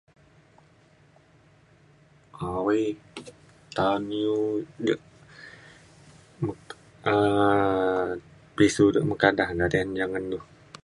awai, taun iu je um pisu da meka da nta tesen da ngan du.